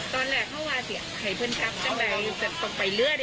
ตอนแหละเข้าวาเสียไข่เพื่อนกลับจ้างใดต้องไปเลือดเอง